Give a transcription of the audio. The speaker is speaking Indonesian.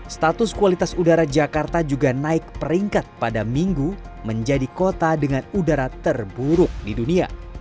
status kualitas udara jakarta juga naik peringkat pada minggu menjadi kota dengan udara terburuk di dunia